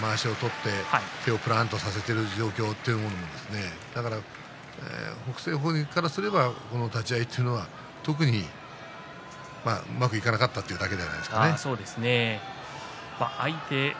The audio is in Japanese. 例えば肩越しでまわしを取って手をぷらんとしている状況を作ったり北青鵬からしてみればこの立ち合いというのは特にうまくいかなかったというだけじゃないですかね。